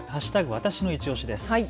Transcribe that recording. わたしのいちオシです。